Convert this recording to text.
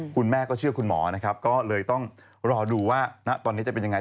คุณแม่ก็เชื่อคุณหมอก็เลยต้องรอดูว่าตอนนี้จะเป็นอย่างไร